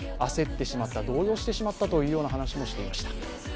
焦ってしまった、動揺してしまったという話もしていました。